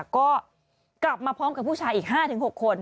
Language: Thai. ก็กลับมาพร้อมกับผู้ชายอีก๕๖คน